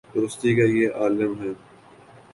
درستی کا یہ عالم ہے۔